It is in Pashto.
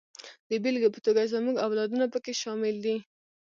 د بېلګې په توګه زموږ اولادونه پکې شامل دي.